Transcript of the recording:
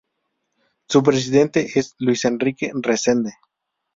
Su presidente es Luis Henrique Resende.